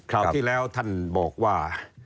ราวที่แล้วท่านบอกว่า